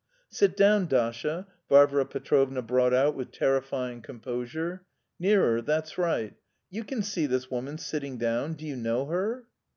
"Sit down, Dasha," Varvara Petrovna brought out with terrifying composure. "Nearer, that's right. You can see this woman, sitting down. Do you know her?"